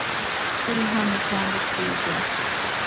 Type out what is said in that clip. Kuri hano, cyangwa kujya?